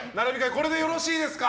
これでよろしいですか？